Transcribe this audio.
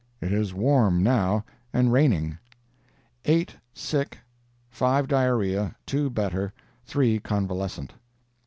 It is warm, now, and raining. "Eight sick—five diarrhea—two better—three convalescent.